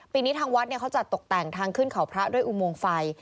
นี้ทางวัดเขาจัดตกแต่งทางขึ้นเขาพระด้วยอุโมงไฟ